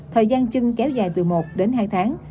thời gian trưng kéo dài từ một đến hai tháng